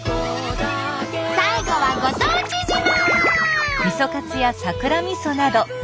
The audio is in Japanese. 最後はご当地自慢。